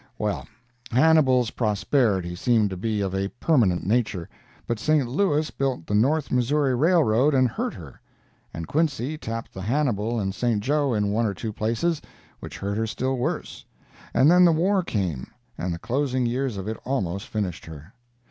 Well, Hannibal's prosperity seemed to be of a permanent nature, but St. Louis built the North Missouri Railroad and hurt her, and Quincy tapped the Hannibal and St. Joe in one or two places, which hurt her still worse, and then the war came, and the closing years of it almost finished her.